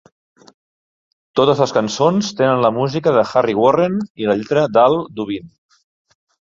Totes les cançons tenen la música de Harry Warren i la lletra d'Al Dubin.